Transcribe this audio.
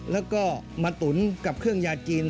แล้วก็มาตุ๋นกับเครื่องยาจีน